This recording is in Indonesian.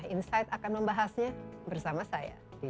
insight akan membahasnya bersama sama